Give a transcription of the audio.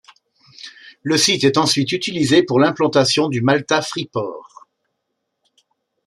Le site est ensuite utilisé pour l'implantation du Malta Freeport.